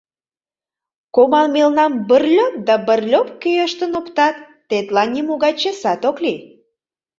Команмелнам бырльоп да бырльоп кӱэштын оптат, тетла нимогай чесат ок лий.